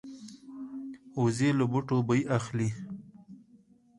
وزې له بوټو بوی اخلي